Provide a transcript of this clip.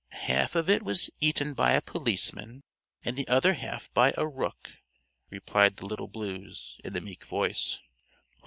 "Half of it was eaten by a policeman, and the other half by a rook," replied the Little Blues, in a meek voice.